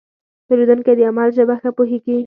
پیرودونکی د عمل ژبه ښه پوهېږي.